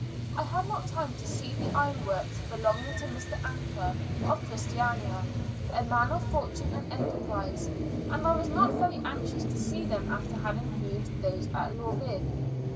I had not time to see the iron works, belonging to Mr. Anker, of Christiania, a man of fortune and enterprise; and I was not very anxious to see them after having viewed those at Laurvig.